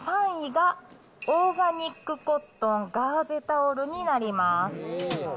３位が、オーガニックコットンガーゼタオルになります。